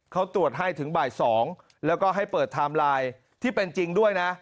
เขาตรวจให้ถึงบ่าย๒แล้วก็ให้เปิดไทม์ไลน์ที่เป็นจริงด้วยนะ